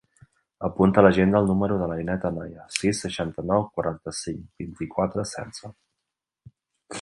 Apunta a l'agenda el número de l'Ainet Anaya: sis, seixanta-nou, quaranta-cinc, vint-i-quatre, setze.